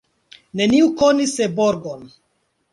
Neniu konis Seborgon.